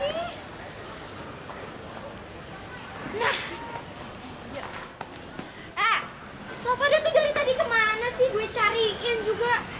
eh lopada tuh dari tadi kemana sih gue cariin juga